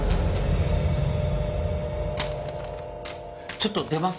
ちょっと出ます。